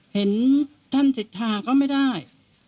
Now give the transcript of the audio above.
เห็นท่านสิทธาก็ไม่ได้